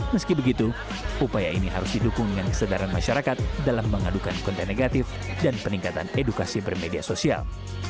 meski begitu upaya ini harus didukung dengan kesadaran masyarakat dalam mengadukan konten negatif dan peningkatan edukasi bermedia sosial